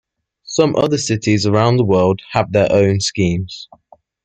Some other cities around the world have their own schemes.